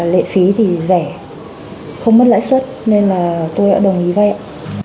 lệ phí thì rẻ không mất lãi suất nên là tôi đã đồng ý vay ạ